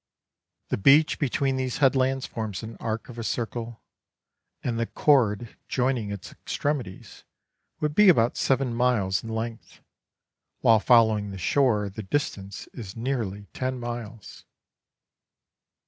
The beach between these headlands forms an arc of a circle, and the cord joining its extremities would be about seven miles in length, while following the shore the distance is nearly ten miles.